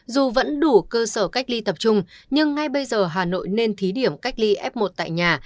dù vẫn đủ cơ sở cách ly tập trung nhưng ngay bây giờ hà nội nên thí điểm cách ly f một tại nhà